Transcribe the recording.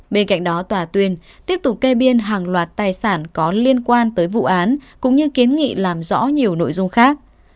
bên cạnh đó tòa tuyên tiếp tục kê biên hàng loạt tài sản có liên quan tới vụ án cũng như kiến nghị làm rõ nhiều nội dung khác